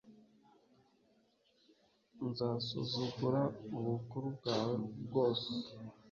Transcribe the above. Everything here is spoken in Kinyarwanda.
nzasuzugura ubukuru bwawe bwose